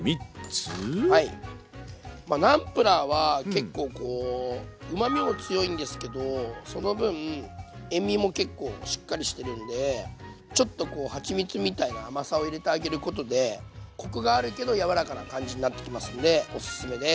ナムプラーは結構こううまみも強いんですけどその分塩みも結構しっかりしてるんでちょっとこうはちみつみたいな甘さを入れてあげることでコクがあるけど柔らかな感じになってきますんでおすすめです。